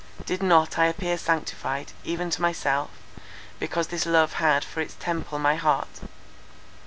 Did not I appear sanctified, even to myself, because this love had for its temple my heart?